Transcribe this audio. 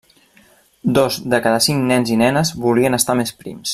Dos de cada cinc nens i nenes volien estar més prims.